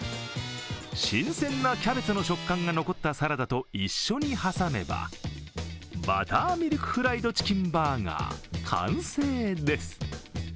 新鮮なキャベツの食感が残ったサラダと一緒に挟めばバターミルクフライドチキンバーガー完成です。